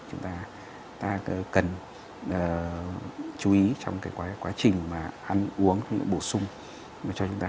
chúng ta cần chú ý trong cái quá trình mà ăn uống bổ sung cho chúng ta